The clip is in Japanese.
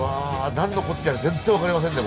何のこっちゃか全然分かりませんね